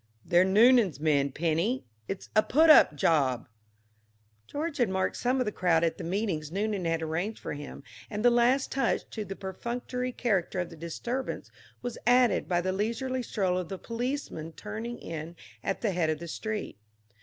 "They're Noonan's men, Penny; it's a put up job." George had marked some of the crowd at the meetings Noonan had arranged for him, and the last touch to the perfunctory character of the disturbance was added by the leisurely stroll of the policeman turning in at the head of the street.